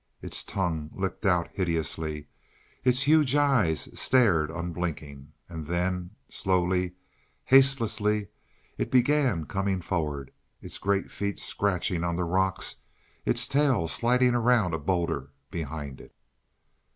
Its tongue licked out hideously; its huge eyes stared unblinking. And then, slowly, hastelessly, it began coming forward, its great feet scratching on the rocks, its tail sliding around a boulder behind it.